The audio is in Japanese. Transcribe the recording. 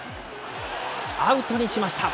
アウトにしました。